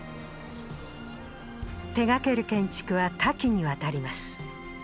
手がける建築は多岐にわたります。